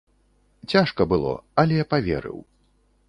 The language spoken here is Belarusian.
Цяжка было, але паверыў.